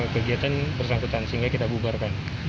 kegiatan bersangkutan sehingga kita bubarkan